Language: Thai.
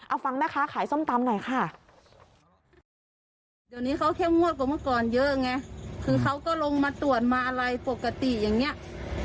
เอาฟังเมื่อค่ะขายส้มตำไก่ค่ะ